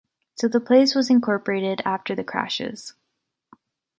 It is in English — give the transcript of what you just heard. So the place was incorporated after the crashes.